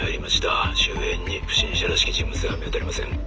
周辺に不審者らしき人物は見当たりません」。